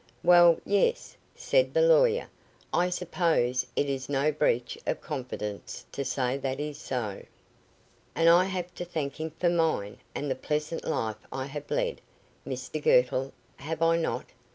"Well yes," said the old lawyer; "I suppose it is no breach of confidence to say that it is so." "And I have to thank him for mine, and the pleasant life I have led, Mr Girtle, have I not?"